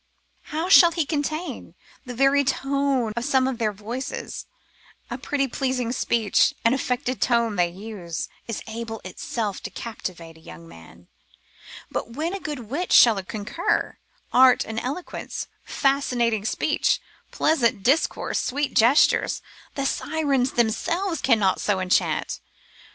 How shall he contain? The very tone of some of their voices, a pretty pleasing speech, an affected tone they use, is able of itself to captivate a young man; but when a good wit shall concur, art and eloquence, fascinating speech, pleasant discourse, sweet gestures, the Sirens themselves cannot so enchant.